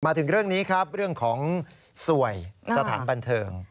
ถึงเรื่องนี้ครับเรื่องของสวยสถานบันเทิง